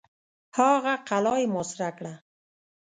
هغه قلا یې محاصره کړه.